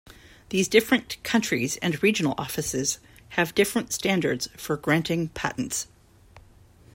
These different countries and regional offices have different standards for granting patents.